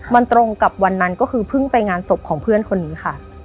มันตรงกับวันนั้นก็คือเพิ่งไปงานศพของเพื่อนคนนี้ค่ะ